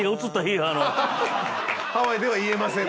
ハワイでは言えません。